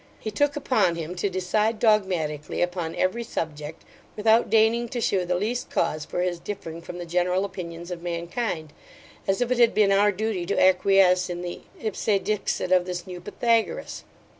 He took upon him to decide dogmatically upon every subject, without deigning to shew the least cause for his differing from the general opinions of mankind, as if it had been our duty to acquiesce in the ipse dixit of this new Pythagoras.